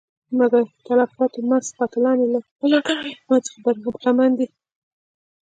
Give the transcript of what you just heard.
ملکي تلفاتو مست قاتلان یې له ملاتړ او حمایت څخه برخمن دي.